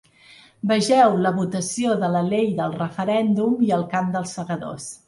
Vegeu la votació de la llei del referèndum i el cant de ‘Els segadors’